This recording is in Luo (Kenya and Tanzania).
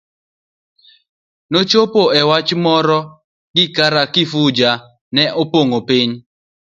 Nochopo e wach moro ni kara Kifuja ne opongo piny.